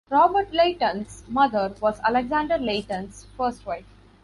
Robert Leighton's mother was Alexander Leighton's first wife.